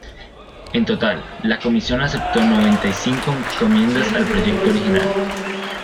En total, la Comisión aceptó noventa y cinco enmiendas al proyecto original.